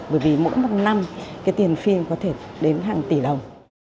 bởi vì mỗi một năm cái tiền phim có thể đến hàng tỷ đồng